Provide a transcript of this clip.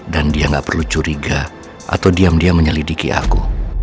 dan dia gak perlu curiga atau diam diam menyelidiki aku